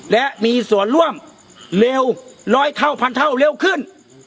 และมีส่วนร่วมเร็วร้อยเท่าพันเท่าเร็วขึ้น